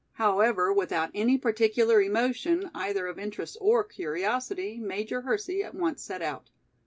However, without any particular emotion either of interest or curiosity, Major Hersey at once set out.